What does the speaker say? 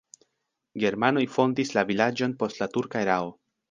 Germanoj fondis la vilaĝon post la turka erao.